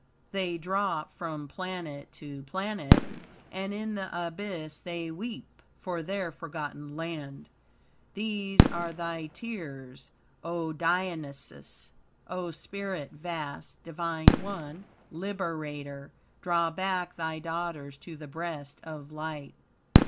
They drop from planet to planet, And in the abyss they weep For their forgotten land. These are thy tears, O Dionysus, O Spirit vast, Divine One, Liberator. Draw back thy daughters to the breast of light."